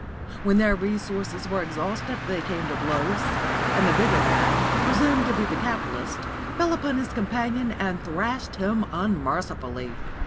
When their resources were exhausted they came to blows, and the bigger man, presumed to be the capitalist, fell upon his companion and thrashed him unmercifully.